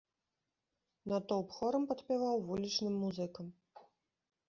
Натоўп хорам падпяваў вулічным музыкам.